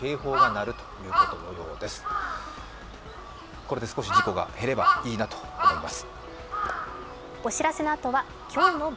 これで少し事故が減ればいいなと思います。